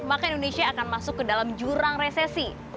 maka indonesia akan masuk ke dalam jurang resesi